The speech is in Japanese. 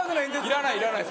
いらないいらない